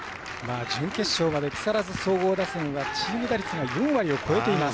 準決勝まで木更津総合打線はチーム打率が４割を超えています。